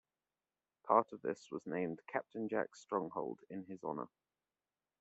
Part of this was named Captain Jack's Stronghold in his honor.